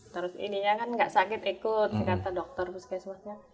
terus ininya kan nggak sakit ikut kata dokter puskesmasnya